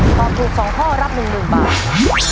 ถอบถูกสองข้อรับหนึ่งหนึ่งบาท